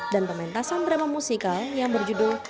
dan pementasan drama musikal yang berjudul